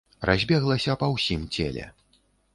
Разбеглася па ўсім целе.